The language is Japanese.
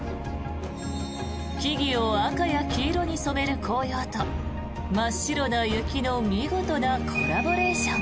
木々を赤や黄色に染める紅葉と真っ白な雪の見事なコラボレーション。